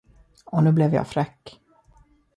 Och nu blev jag fräck.